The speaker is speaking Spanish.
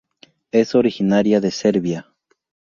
Es originaria de Serbia.